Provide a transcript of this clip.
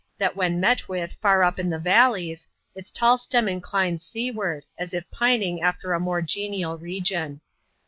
867 that when met with far up the valleys, its tall stem inclines seaward, as if pining after a more genial region.